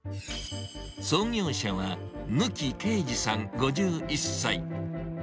創業者は貫啓二さん５１歳。